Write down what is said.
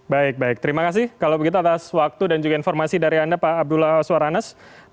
baik baik terima kasih kalau begitu atas waktu dan juga informasi dari anda pak abdullah suaranas